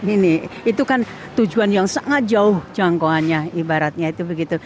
ini itu kan tujuan yang sangat jauh jangkauannya ibaratnya itu begitu